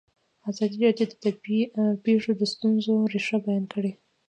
ازادي راډیو د طبیعي پېښې د ستونزو رېښه بیان کړې.